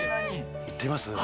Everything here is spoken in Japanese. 行ってみます？